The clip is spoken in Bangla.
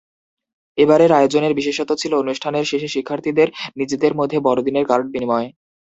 এবারের আয়োজনের বিশেষত্ব ছিল অনুষ্ঠানের শেষে শিক্ষার্থীদের নিজেদের মধ্যে বড়দিনের কার্ড বিনিময়।